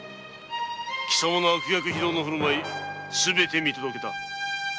貴様の悪逆非道の振る舞いすべて見届けた。